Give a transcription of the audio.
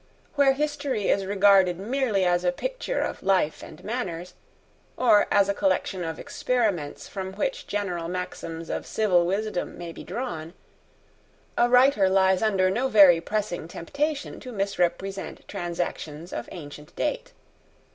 Where history is regarded merely as a picture of life and manners, or as a collection of experiments from which general maxims of civil wisdom may be drawn, a writer lies under no very pressing temptation to misrepresent transactions of ancient date.